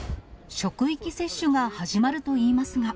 職域接種が始まるといいます